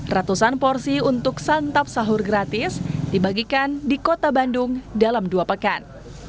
ratusan porsi untuk santap sahur gratis dibagikan di kota bandung dalam dua pekan